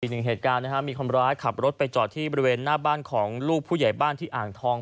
อีกหนึ่งเหตุการณ์นะครับมีคนร้ายขับรถไปจอดที่บริเวณหน้าบ้านของลูกผู้ใหญ่บ้านที่อ่างทอง